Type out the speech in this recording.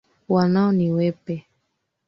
Wanao ni wepi.